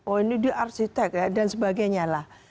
oh ini di arsitek dan sebagainya lah